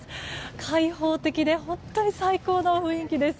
開放的で本当に最高の雰囲気です。